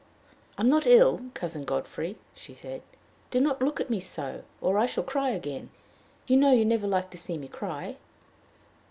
"I am not ill, Cousin Godfrey," she said. "Do not look at me so, or I shall cry again. You know you never liked to see me cry."